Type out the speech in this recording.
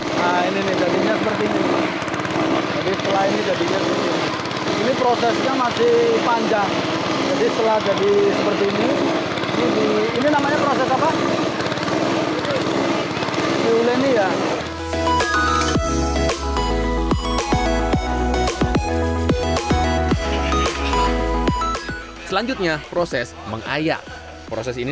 nah ini nih jadinya seperti ini